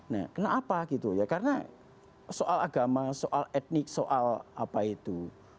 nah kenapa gitu ya karena soal agama soal etnik soal apa itu